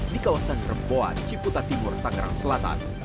di kawasan remboa ciputa timur tangerang selatan